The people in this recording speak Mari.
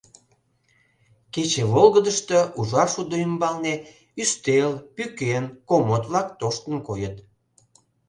Кече волгыдышто, ужар шудо ӱмбалне, ӱстел, пӱкен, комод-влак тоштын койыт.